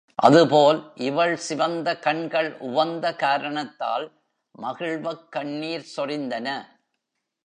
அது போல் இவள் சிவந்த கண்கள் உவந்த காரணத்தால் மகிழ்வக் கண்ணீர் சொரிந்தன.